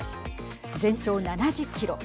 全長７０キロ。